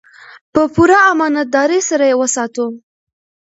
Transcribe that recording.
په پوره امانتدارۍ سره یې وساتو.